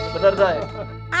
bener dah ya